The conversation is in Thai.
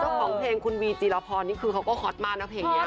เจ้าของเพลงคุณวีจีรพรนี่คือเขาก็ฮอตมากนะเพลงนี้